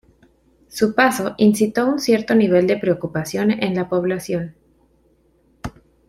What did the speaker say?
Su paso incitó un cierto nivel de preocupación en la población.